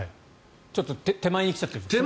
ちょっと手前に来ちゃってるんですね。